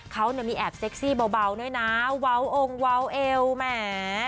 เขามีแอบเซ็กซี่เบาด้วยนะวาวองค์วาวเอลแหม